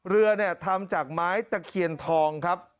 เรือเนี่ยทำจากไม้ตะเคียนทองครับ